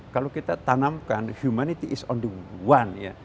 kalau kita tanamkan humanity is only one ya